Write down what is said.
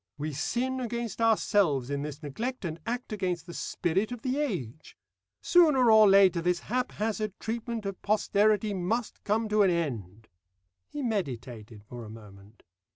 We sin against ourselves in this neglect, and act against the spirit of the age. Sooner or later this haphazard treatment of posterity must come to an end." He meditated for a moment.